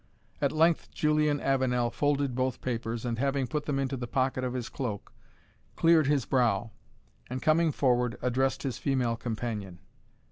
At length Julian Avenel folded both papers, and having put them into the pocket of his cloak, cleared his brow, and, coming forward, addressed his female companion.